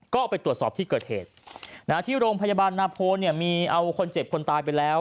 ก็ไปตรวจสอบที่เกิดเหตุที่โรงพยาบาลนาโพเนี่ยมีเอาคนเจ็บคนตายไปแล้ว